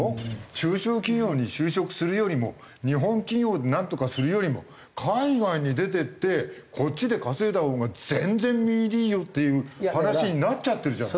中小企業に就職するよりも日本企業でなんとかするよりも海外に出てってこっちで稼いだほうが全然実入りいいよっていう話になっちゃってるじゃない。